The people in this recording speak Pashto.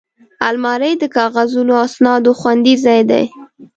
الماري د کاغذونو او اسنادو خوندي ځای دی